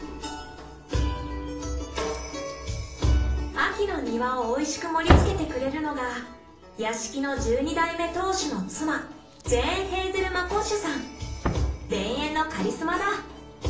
秋の庭をおいしく盛りつけてくれるのが屋敷の田園のカリスマだ。